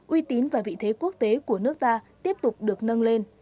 uy tín và vị thế quốc tế của nước ta tiếp tục được nâng lên